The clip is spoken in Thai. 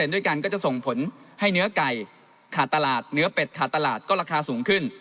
ด้วยกันก็จะส่งผลให้เนื้อไก่ขาดตลาดเนื้อเป็ดขาดตลาดก็ราคาสูงขึ้น